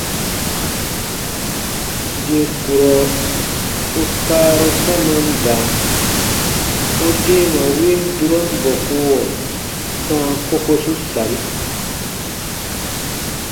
Yè kurɔ u kaaru tamam da, u deema win durɔn bɔkuɔ sãa kokosu sari.